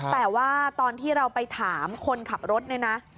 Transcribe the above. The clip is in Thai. แต่ว่าตอนที่เราไปถามคนขับรถเนี่ยนะ